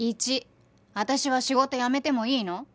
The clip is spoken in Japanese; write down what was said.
１私は仕事辞めてもいいの？